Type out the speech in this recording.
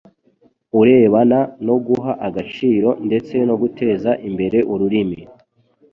urebana no guha agaciro ndetse no guteza imbere ururimi